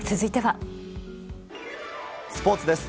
スポーツです。